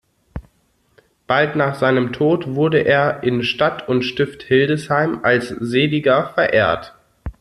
Bald nach seinem Tod wurde er in Stadt und Stift Hildesheim als Seliger verehrt.